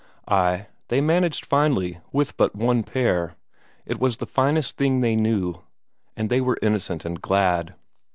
Ay, they managed finely with but one pair, it was the finest thing they knew, and they were innocent and glad.